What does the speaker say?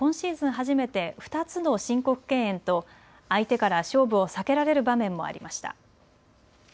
初めて２つの申告敬遠と相手から勝負を避けられる場面もありました。